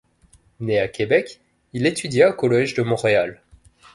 Né à Québec, il étudia au Collège de Montréal.